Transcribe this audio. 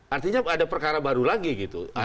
artinya ada perkara baru lagi gitu